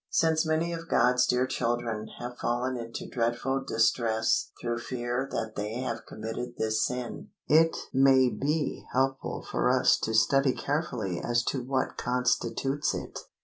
Since many of God's dear children have fallen into dreadful distress through fear that they had committed this sin, it may be helpful for us to study carefully as to what constitutes it.